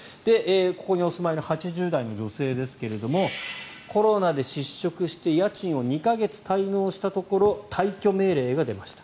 ここにお住まいの８０代の女性ですがコロナで失職して家賃を２か月滞納したところ退去命令が出ました。